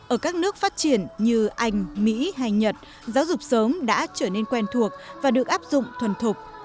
ở các nước phát triển như anh mỹ hay nhật giáo dục sớm đã trở nên quen thuộc và được áp dụng thuần thục